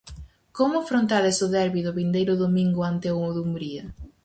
Como afrontades o derbi do vindeiro domingo ante o Dumbría?